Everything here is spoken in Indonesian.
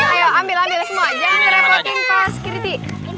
ayo ambil ambil semua jangan merepotin pak skiriti